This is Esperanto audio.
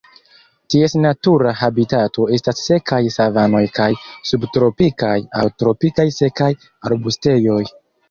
Ties natura habitato estas sekaj savanoj kaj subtropikaj aŭ tropikaj sekaj arbustejoj.